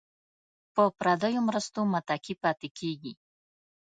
په پردیو مرستو متکي پاتې کیږي.